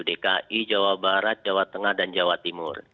dki jawa barat jawa tengah dan jawa timur